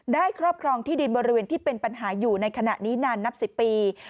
ครอบครองที่ดินบริเวณที่เป็นปัญหาอยู่ในขณะนี้นานนับ๑๐ปี